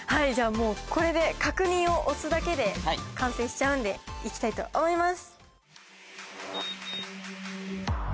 もうこれで確認を押すだけで完成しちゃうんでいきたいと思います